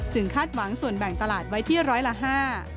คาดหวังส่วนแบ่งตลาดไว้ที่ร้อยละห้า